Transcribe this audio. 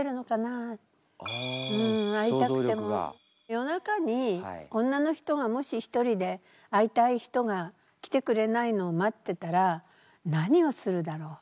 夜中に女の人がもし一人で会いたい人が来てくれないのを待ってたら何をするだろう？